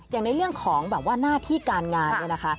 อย่างในเรื่องของแบบว่าหน้าที่การงานเนี่ยนะคะ